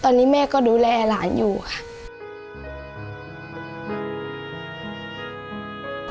ตอนนี้แม่ก็ดูแลหลานอยู่ค่ะ